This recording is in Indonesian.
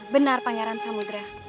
benar pangeran samudera